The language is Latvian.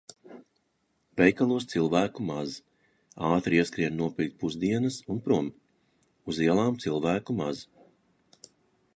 Veikalos cilvēku maz. Ātri ieskrienu nopirkt pusdienas un prom. Uz ielām cilvēku maz.